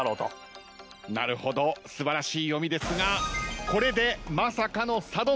なるほど素晴らしい読みですがこれでまさかのサドンデス。